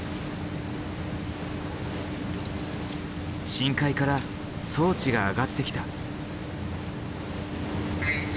深海から装置が上がってきた。